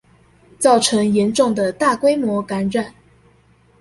造成嚴重的大規模感染